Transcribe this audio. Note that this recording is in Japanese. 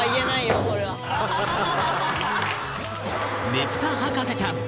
ねぷた博士ちゃん